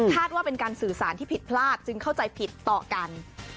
ว่าเป็นการสื่อสารที่ผิดพลาดจึงเข้าใจผิดต่อกัน